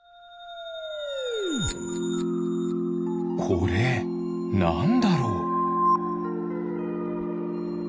これなんだろう。